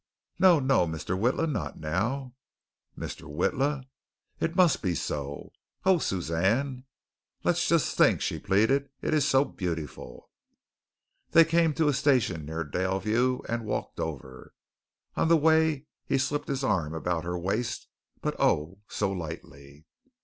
"No, no, Mr. Witla, not now." "Mr. Witla?" "It must be so." "Oh, Suzanne!" "Let's just think," she pleaded, "it is so beautiful." They came to a station near Daleview, and walked over. On the way he slipped his arm about her waist, but, oh, so lightly.